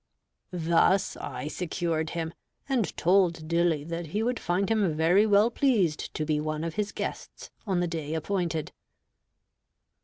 Thus I secured him, and told Dilly that he would find him very well pleased to be one of his guests on the day appointed.